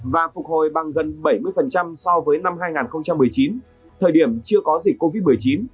và phục hồi bằng gần bảy mươi so với năm hai nghìn một mươi chín thời điểm chưa có dịch covid một mươi chín